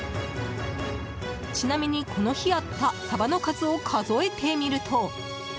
ちなみに、この日あったサバの数を数えてみると。